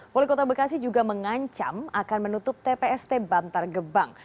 wali kota bekasi juga mengancam akan menutup tpst bantar gebang